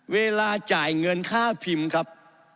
เวลาจ่ายเงินค่าพิมพ์ครับ